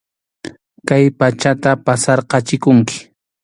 Kay pachata pasarqachikunki.